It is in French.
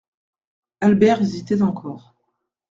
Albert hésitait encore.